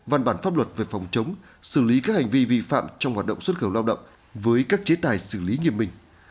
văn bản pháp luật về phòng chống xử lý các hành vi vi phạm trong hoạt động xuất khẩu lao động với các chế tài xử lý nghiêm minh